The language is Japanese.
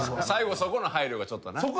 最後そこの配慮がちょっとな。